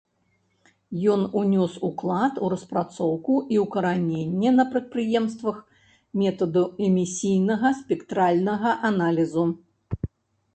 Ён унёс уклад у распрацоўку і ўкараненне на прадпрыемствах метаду эмісійнага спектральнага аналізу.